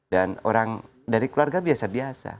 dan orang dari keluarga biasa biasa